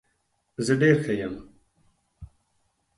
زه ډیر ښه یم.